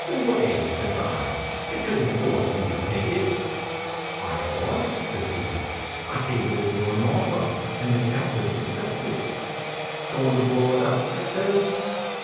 "G'way!" says I. "They couldn't force you to take it." "I've bought it," says he. "I cabled over an offer, and the Count has accepted." "Goin' to blow it up?" I says.